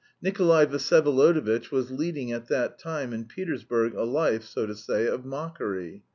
Nikolay Vsyevolodovitch was leading at that time in Petersburg a life, so to say, of mockery.